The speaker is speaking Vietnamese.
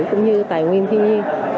cũng như tài nguyên thiên nhiên